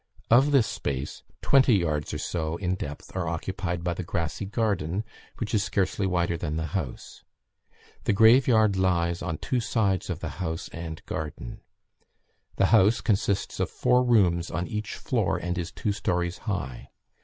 Of this space twenty yards or so in depth are occupied by the grassy garden, which is scarcely wider than the house. The graveyard lies on two sides of the house and garden. The house consists of four rooms on each floor, and is two stories high.